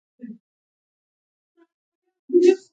دوی د کورونو د تودولو سیستم درلود